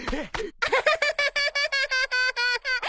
アハハハハハ！